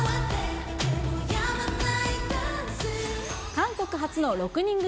韓国発の６人組